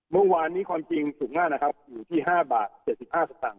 เมื่อวานนี้ความจริงสูงมากนะครับอยู่ที่๕บาท๗๕สตางค